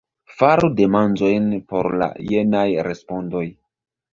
Faru demandojn por la jenaj respondoj.